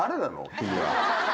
君は。